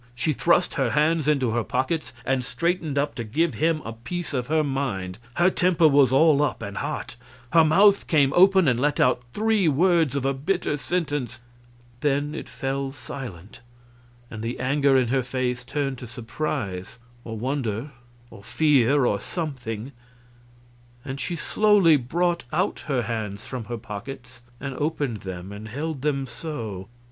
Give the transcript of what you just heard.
She thrust her hands into her pockets and straightened up to give him a piece of her mind. Her temper was all up, and hot. Her mouth came open and let out three words of a bitter sentence,... then it fell silent, and the anger in her face turned to surprise or wonder or fear, or something, and she slowly brought out her hands from her pockets and opened them and held them so.